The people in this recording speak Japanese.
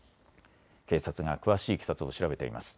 警察が詳しいいきさつを調べています。